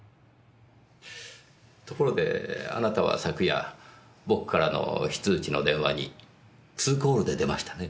ところであなたは昨夜僕からの非通知の電話にツーコールで出ましたね？